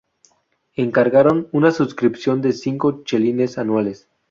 Encargaron una suscripción de cinco chelines anuales.